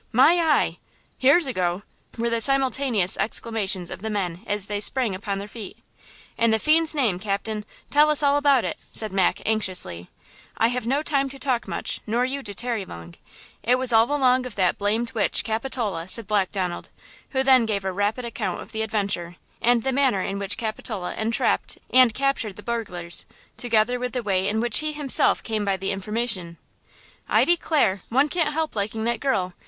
"My eye!" "Here's a go!" were the simultaneous exclamations of the men as they sprang upon their feet. "In the fiend's name, captain, tell us all about it!" said Mac, anxiously. "I have no time to talk much, nor you to tarry long! It was all along of that blamed witch, Capitola!" said Black Donald, who then gave a rapid account of the adventure, and the manner in which Capitola entrapped and captured the burglars, together with the way in which he himself came by the information. "I declare, one can't help liking that girl!